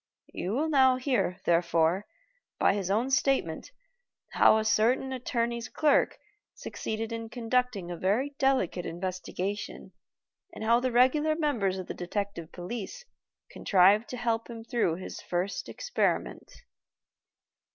You will now hear, therefore, by his own statement, how a certain attorney's clerk succeeded in conducting a very delicate investigation, and how the regular members of the Detective Police contrived to help him through his first experiment."